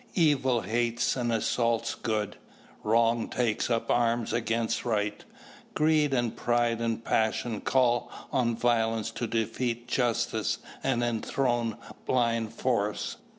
Evil hates and assaults good. Wrong takes up arms against right. Greed and pride and passion call on violence to defeat justice and enthrone blind force.